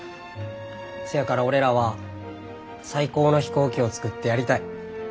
せやから俺らは最高の飛行機を作ってやりたい。